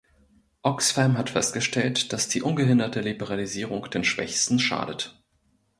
Oxfam hat festgestellt, dass die ungehinderte Liberalisierung den Schwächsten schadet.